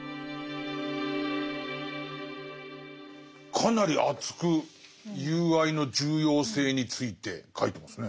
かなり熱く友愛の重要性について書いてますね。